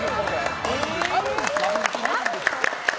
あるんですか？